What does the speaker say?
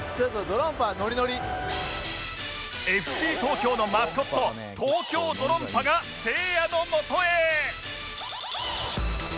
ＦＣ 東京のマスコット東京ドロンパがせいやの元へ